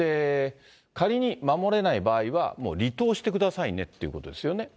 仮に、守れない場合は、もう離党してくださいねということですよね。